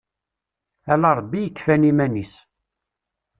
Ala Ṛebbi i yekfan iman-is.